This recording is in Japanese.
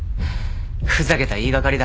ふざけた言い掛かりだな。